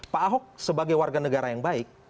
pak ahok sebagai warga negara yang baik